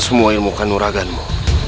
semba sembaga gaya kita